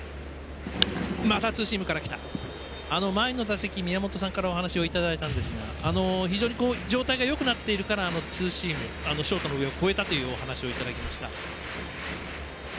前の打席、宮本さんからお話をいただいたんですが非常に状態がよくなっているからツーシーム、ショートの上を越えたというお話をいただきました。